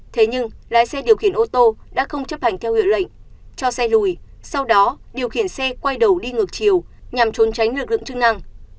thế nhưng lái xe điều khiển ô tô đã không chấp hành theo hiệu lệnh cho xe lùi sau đó điều khiển xe quay đầu đi ngược chiều nhằm trốn tránh lực lượng chức năng